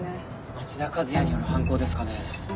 町田和也による犯行ですかね？